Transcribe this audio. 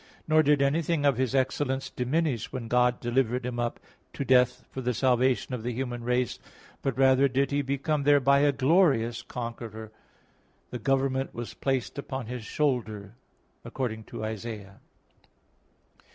Nor did anything of His excellence diminish when God delivered Him up to death for the salvation of the human race; rather did He become thereby a glorious conqueror: "The government was placed upon His shoulder," according to Isa. 9:6.